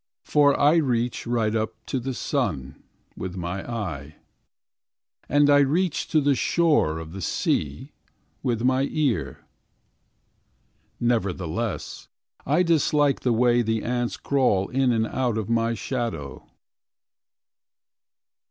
For I reach right up to the sun. With my eye; And I reach to the shore of the sea With my ear. Nevertheless, I dislike The way the ants crawl In and out of my shadow.